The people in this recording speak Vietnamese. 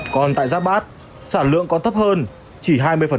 còn tại giáp bát sản lượng còn thấp hơn chỉ hai mươi